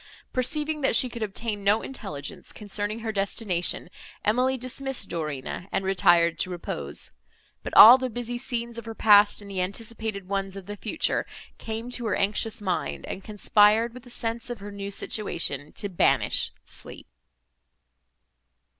Perceiving that she could obtain no intelligence concerning her destination, Emily dismissed Dorina, and retired to repose; but all the busy scenes of her past and the anticipated ones of the future came to her anxious mind, and conspired with the sense of her new situation to banish sleep.